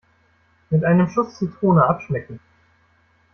Mit einem Schuss Zitrone abschmecken.